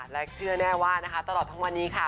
และเชื่อแน่ว่านะคะตลอดทั้งวันนี้ค่ะ